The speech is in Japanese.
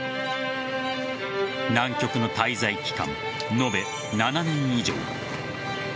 南極の滞在期間、延べ７年以上。